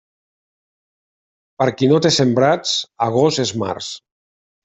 Per a qui no té sembrats, agost és març.